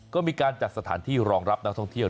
ก็มีการจัดสถานที่รองรับนักท่องเที่ยว